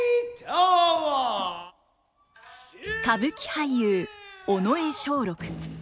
歌舞伎俳優尾上松緑。